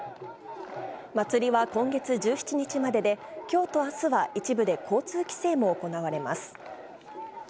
祭りは今月１７日までで、きょうとあすは一部で交通規制も行われます。